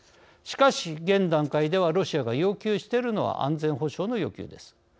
しかし現段階ではロシアが要求しているのは安全保障の要求です。